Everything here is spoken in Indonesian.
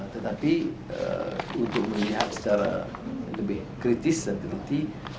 tetapi untuk melihat secara lebih kritis dan teliti